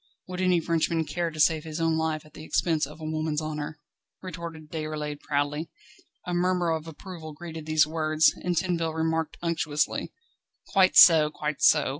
"Would any Frenchman care to save his own life at the expense of a woman's honour?" retorted Déroulède proudly. A murmur of approval greeted these words, and Tinville remarked unctuously: "Quite so, quite so.